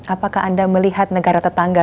apakah anda melihat negara tetangga